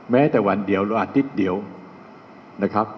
แม้แต่วันเดียวหรืออาทิตย์เดียวนะครับ